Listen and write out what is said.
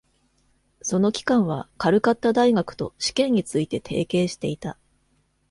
その機関はカルカッタ大学と試験について提携していた。